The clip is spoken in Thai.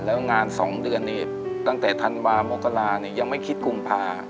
แล้วงาน๒เดือนนี่ตั้งแต่ธันวามกรานี่ยังไม่คิดกุมภา